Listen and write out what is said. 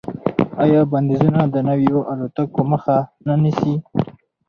آیا بندیزونه د نویو الوتکو مخه نه نیسي؟